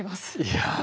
いや。